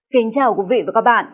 kính chào quý vị và các bạn